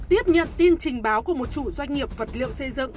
tiếp nhận tin trình báo của một chủ doanh nghiệp vật liệu xây dựng